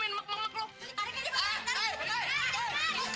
anggur gini buah